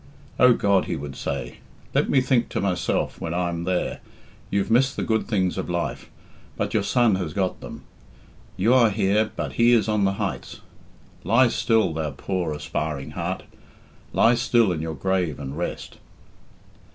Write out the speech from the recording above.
Oh, God,' he would say, 'let me think to myself when I'm there, you've missed the good things of life, but your son has got them; you are here, but he is on the heights; lie still, thou poor aspiring heart, lie still in your grave and rest.'"